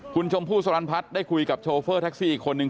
คุณชมพู่สรรพัฒน์ได้คุยกับโชเฟอร์แท็กซี่อีกคนนึง